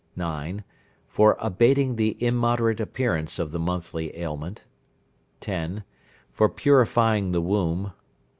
9. For abating the immoderate appearance of the monthly ailment. 10. For purifying the womb.